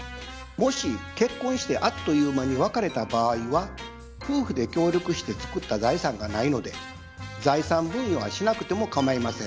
もし結婚してあっという間に別れた場合は夫婦で協力して作った財産がないので財産分与はしなくてもかまいません。